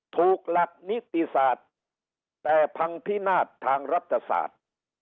หลักนิติศาสตร์แต่พังพินาศทางรัฐศาสตร์